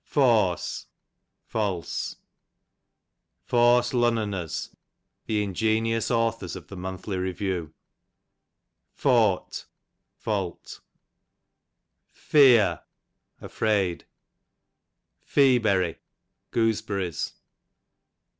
Foan, Fawse,/ffl?s«. Fawse Lunnoners, the ingenious authors of the monthly reriew. Favit, fault. Feear, afraid. Feaberry, gooseberries.